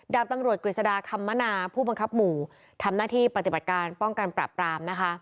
ดาบตำรวจกฤษฎาคำมนาผู้บังคับหมู่ทำหน้าที่ปฏิบัติการป้องกันปรับปรามนะคะ